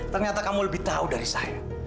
ternyata kamu lebih tahu dari saya